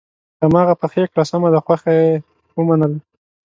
هماغه پخې کړه سمه ده خوښه یې ومنله.